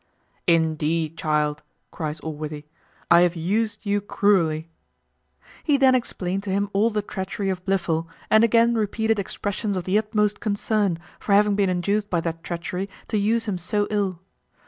"Indeed, child," cries Allworthy, "I have used you cruelly." He then explained to him all the treachery of Blifil, and again repeated expressions of the utmost concern, for having been induced by that treachery to use him so ill.